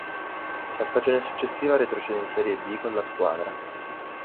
La stagione successiva retrocede in Serie B con la squadra.